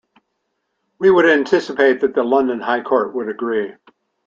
We would anticipate that the London high court will agree.